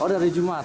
oh dari jumat